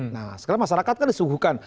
nah sekarang masyarakat kan disuguhkan